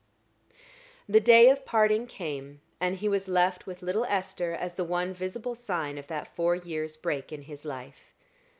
The day of parting came, and he was left with little Esther as the one visible sign of that four years' break in his life.